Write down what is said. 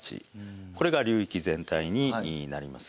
これが流域全体になります。